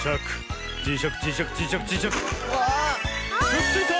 くっついた！